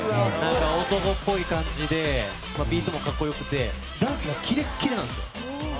男っぽい感じで格好良くてダンスがキレッキレなんですよ。